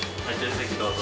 どうぞ。